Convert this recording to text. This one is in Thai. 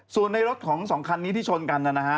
ส่วนในรถของสองคันนี้ที่ชนกันนะฮะ